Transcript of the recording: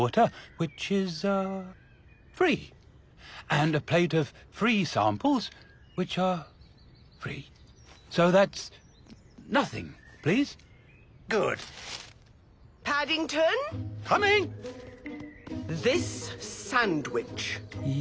はい。